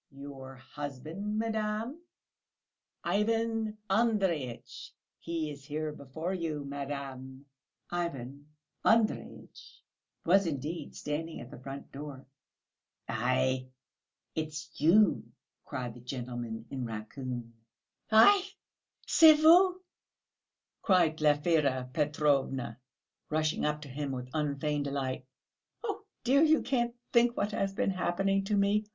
"Your husband, madam, Ivan Andreyitch; he is here before you, madam...." Ivan Andreyitch was indeed standing at the front door. "Aïe, it's you," cried the gentleman in raccoon. "Ah! C'est vous," cried Glafira Petrovna, rushing up to him with unfeigned delight. "Oh, dear, you can't think what has been happening to me.